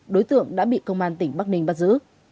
đối tượng đã bị công an tỉnh bắc ninh bắt giữ